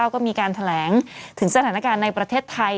ก็มีการแถลงถึงสถานการณ์ในประเทศไทย